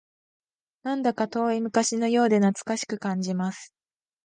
なんだか遠い昔のようで懐かしく感じます